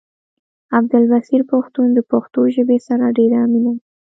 عبدالبصير پښتون د پښتو ژبې سره ډيره مينه لري